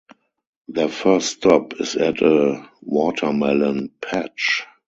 Their first stop is at a watermelon patch.